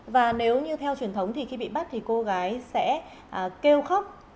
và nếu như theo truyền thống thì khi bị bắt thì cô gái sẽ kêu khóc